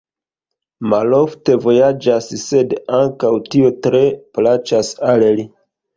Malofte vojaĝas, sed ankaŭ tio tre plaĉas al li.